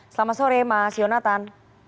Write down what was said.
selamat sore mas yonatan